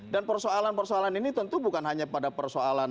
dan persoalan persoalan ini tentu bukan hanya pada persoalan